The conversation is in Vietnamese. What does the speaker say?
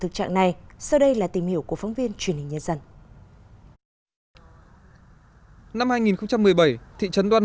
thực trạng này sau đây là tìm hiểu của phóng viên truyền hình nhân dân năm hai nghìn một mươi bảy thị trấn đoan